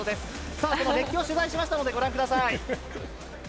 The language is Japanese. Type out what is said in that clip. さあ、その熱気を取材しましたので、ご覧ください。